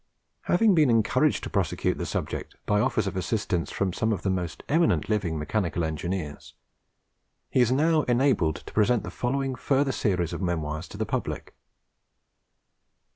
Having been encouraged to prosecute the subject by offers of assistance from some of the most eminent living mechanical engineers, he is now enabled to present the following further series of memoirs to the public.